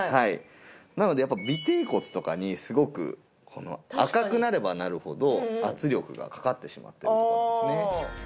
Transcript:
なのでやっぱ尾てい骨とかにすごくこの赤くなればなるほど圧力がかかってしまってるという事なんですね。